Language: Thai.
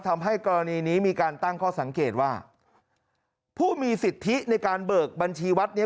ทำให้กรณีนี้มีการตั้งข้อสังเกตว่าผู้มีสิทธิในการเบิกบัญชีวัดนี้